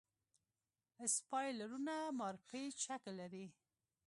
اسپایرلونه مارپیچ شکل لري.